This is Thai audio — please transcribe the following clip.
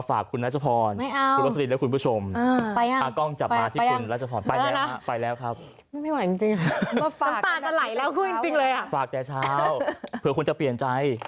อ้างกล้องจับมาที่คุณราชพรศิษฐ์